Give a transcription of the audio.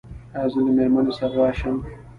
ایا زه له میرمنې سره راشم؟